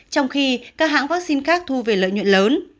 trong khi các hãng vaccine khác thu về lợi nhuận lớn